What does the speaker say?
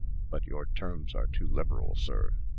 But your terms are too liberal, sir.